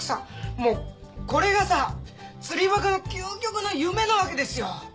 もうこれがさ釣りバカの究極の夢なわけですよ！